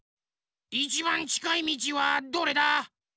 いちばんちかいみちはどれだ？